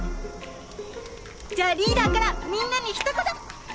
じゃあリーダーからみんなにひと言。